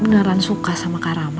beneran suka sama karama